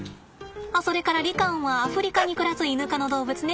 あっそれからリカオンはアフリカに暮らすイヌ科の動物ね。